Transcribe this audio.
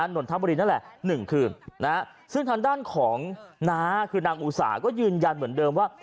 นธบนั้นแหละ๑คืนซึ่งทางด้านของนอุตสาห์ก็ยืนยันเหมือนเดิมว่า